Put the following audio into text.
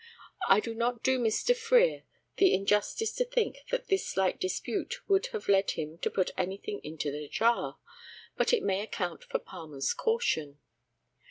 I do not do Mr. Frere the injustice to think that this slight dispute would have led him to put anything into the jar, but it may account for Palmer's caution.